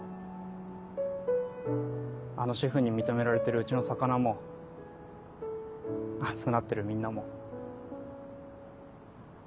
あのシェフに認められてるうちの魚も熱くなってるみんなも。